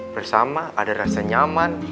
bersama ada rasa nyaman